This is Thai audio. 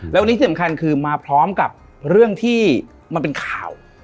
แล้ววันนี้ที่สำคัญคือมาพร้อมกับเรื่องที่มันเป็นข่าว